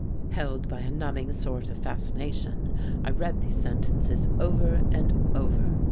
Held by a numbing sort of fascination, I read these sentences over and over.